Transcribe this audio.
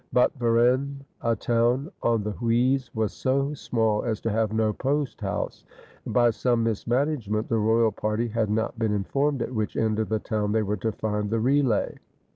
But Varennes, a town on the Oise, was so small as to have no posthouse, and by some mismanagement the royal party had not been informed at which end of the town they were to find the relay.